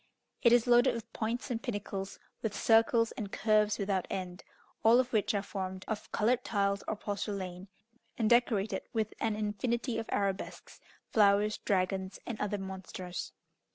It is loaded with points and pinnacles, with circles and curves without end, all of which are formed of coloured tiles or porcelain, and decorated with an infinity of arabesques, flowers, dragons, and other monsters.